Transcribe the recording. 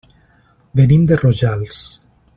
Venim de Rojals.